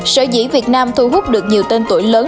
sở dĩ việt nam thu hút được nhiều tên tuổi lớn